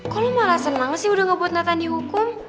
kok lo malah seneng sih udah ngebuat nata dihukum